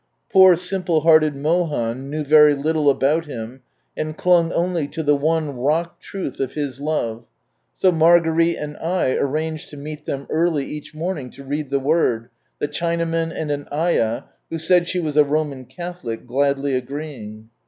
Poor simple hearted Mohan knew very little about Him, and dung only to the one rock truth of His love ; so Margareie and I arranged to meet them early each morning to read the Word, the Chinaman and an ayah, who said she was a Roman Catholic, gladly agreeing.